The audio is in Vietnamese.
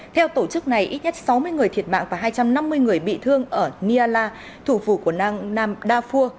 theo tổ chức này ít nhất sáu mươi người thiệt mạng và hai trăm năm mươi người bị thương ở niala thủ phủ của nam darfur